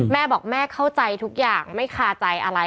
แม่บอกแม่เข้าใจทุกอย่างไม่คาใจอะไร